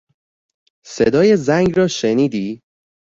صدای زنگ را شنیدی؟